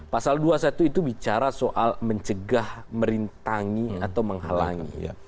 pasal dua puluh satu itu bicara soal mencegah merintangi atau menghalangi